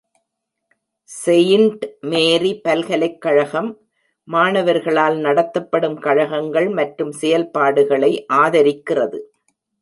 Saint Mary பல்கலைக்கழகம் மாணவர்களால் நடத்தப்படும் கழகங்கள் மற்றும் செயல்பாடுகளை ஆதரிக்கிறது.